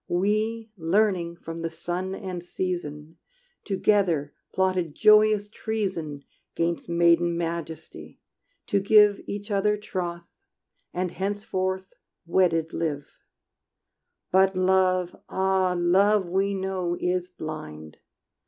We, learning from the sun and season, Together plotted joyous treason 'Gainst maiden majesty, to give Each other troth, and henceforth wedded live. But love, ah, love we know is blind!